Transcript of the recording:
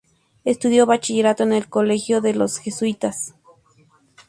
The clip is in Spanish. Estudió bachillerato en el colegio de los Jesuítas.